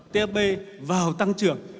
tp vào tăng trưởng